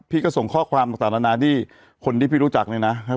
พี่ก็ส่งข้อความต่างต่างนะนาดี้คนที่พี่รู้จักเลยน่ะครับ